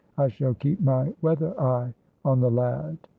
I shall keep my weather eye on the lad."